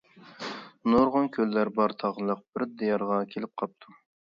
نۇرغۇن كۆللەر بار تاغلىق بىر دىيارغا كېلىپ قاپتۇ.